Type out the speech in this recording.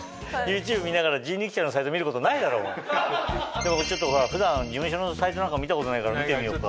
でもちょっとほら普段事務所のサイトなんか見たことないから見てみよっか。